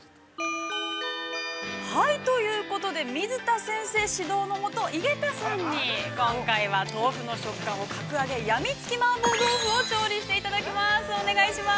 ◆はい、ということで、水田先生指導の下、井桁さんに今回は、豆腐の食感を格上げ、やみつき麻婆豆腐を調理していただきます。